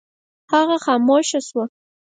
هغه خاموشه شوه.